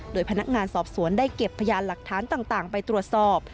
โดยพนักงานสอบสวนได้เก็บพยานหลักฐานต่างไปตรวจสอบ